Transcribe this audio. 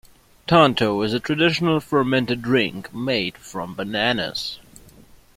Tonto is a traditional fermented drink made from bananas.